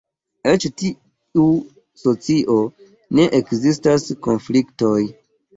En ĉi tiu socio ne ekzistas konfliktoj.